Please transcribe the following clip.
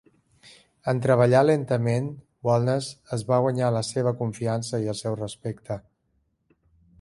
En treballar lentament, Walnes es va guanyar la seva confiança i el seu respecte.